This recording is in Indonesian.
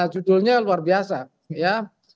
judulnya luar biasa ya